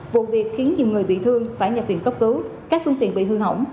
vụ việc khiến nhiều người bị thương phải nhập viện cấp cứu các phương tiện bị hư hỏng